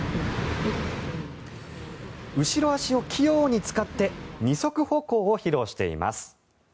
後ろ足を器用に使って二足歩行を披露しています。